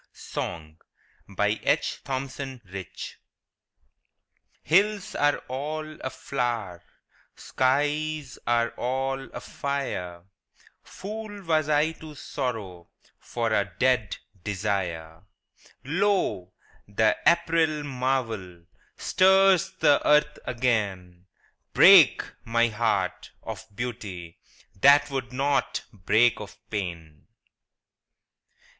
Carroll Lane Fenton SONG Hills are all aflower, Skies are all afire — Fool was I to sorrow For a dead desire! Lo, the April marvel Stirs the earth again: Break, my heart, of beauty, That would not break of pain